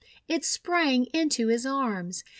It sprang into his arms.